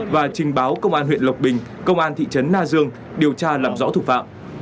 và trình báo công an huyện lộc bình công an thị trấn na dương điều tra làm rõ thủ phạm